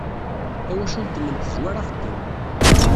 Tawacult-nnem tezwar axeddim.